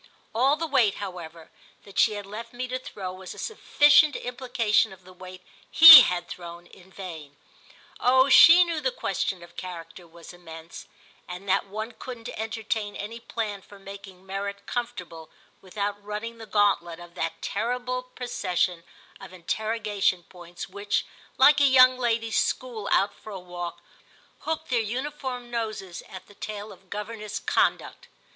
All the weight, however, that she left me to throw was a sufficient implication of the weight he had thrown in vain. Oh she knew the question of character was immense, and that one couldn't entertain any plan for making merit comfortable without running the gauntlet of that terrible procession of interrogation points which, like a young ladies' school out for a walk, hooked their uniform noses at the tail of governess Conduct.